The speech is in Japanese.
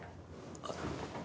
あっ。